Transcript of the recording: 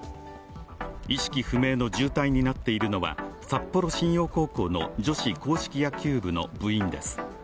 意識不明の重体になっているのは札幌新陽高校の女子硬式野球部の部員です。